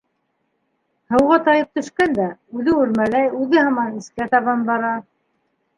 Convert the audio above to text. — Һыуға тайып төшкән дә, үҙе үрмәләй, үҙе һаман эскә табан бара.